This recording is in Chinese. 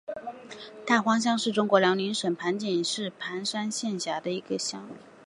大荒乡是中国辽宁省盘锦市盘山县下辖的一个乡。